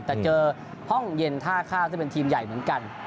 แต่เจอห้องเย็นท่าข้าวซึ่งเป็นทีมใหญ่เหมือนกัน